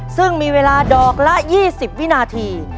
ซึ่งมีเวลาดอกละ๒๐วินาที